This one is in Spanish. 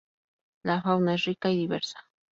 La fauna es rica y diversa.